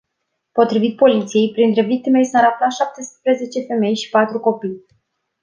Potrivit poliției, printre victime sar afla șaptesprezece femei și patru copii.